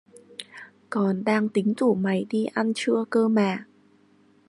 Còn đang tính rủ mày đi ăn trưa cơ mà